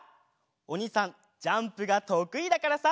おにいさんジャンプがとくいだからさ。